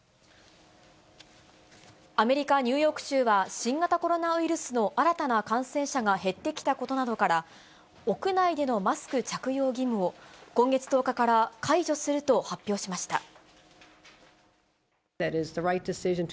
アメリカ・ニューヨーク州は、新型コロナウイルスの新たな感染者が減ってきたことなどから、屋内でのマスク着用義務を今月１０日から解除すると発表しました。